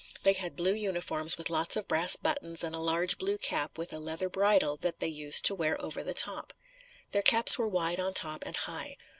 They had blue uniforms with lots of brass buttons and a large blue cap with a leather bridle that they used to wear over the top. Their caps were wide on top and high.